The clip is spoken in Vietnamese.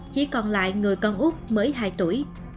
chỉ còn lại người con úc mới hai tuổi